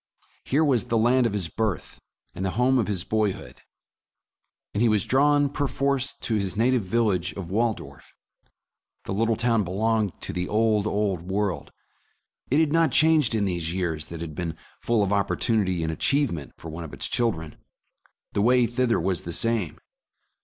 Here was the land of his birth, and the home of his boyhood, and he was drawn, perforce, to his na tive village of Waldorf. The little town belonged to the old, old world. It had not changed in these years that had been full of oppor tunity and achievement for one of its children. The way thither was the same.